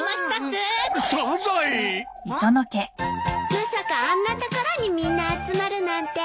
まさかあんなところにみんな集まるなんて。